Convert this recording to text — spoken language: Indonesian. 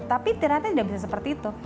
tapi ternyata tidak bisa seperti itu